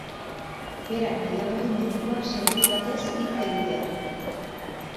Berak nahiago du medikuak seguritatez hitz egitea.